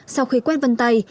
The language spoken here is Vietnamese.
sau khi quét vân tay